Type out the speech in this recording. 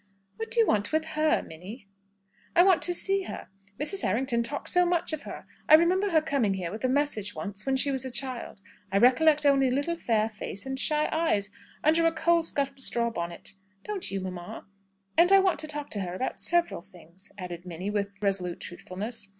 "What do you want with her, Minnie?" "I want to see her. Mrs. Errington talks so much of her. I remember her coming here with a message once, when she was a child. I recollect only a little fair face and shy eyes, under a coal scuttle straw bonnet. Don't you, mamma? And I want to talk to her about several things," added Minnie, with resolute truthfulness.